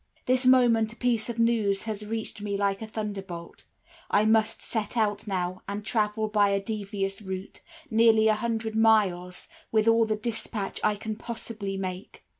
This moment a piece of news has reached me like a thunderbolt. I must set out now, and travel by a devious route, nearly a hundred miles, with all the dispatch I can possibly make.